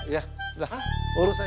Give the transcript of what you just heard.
ya udah urus aja